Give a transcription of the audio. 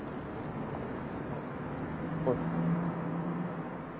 おい。